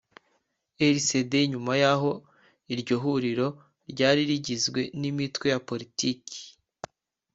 rcd nyuma yaho iryo huriro ryari rigizwe n imitwe ya poritiki